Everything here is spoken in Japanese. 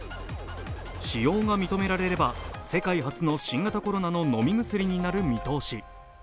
使用が認められれば、世界初の新型コロナの飲み薬になる見込み。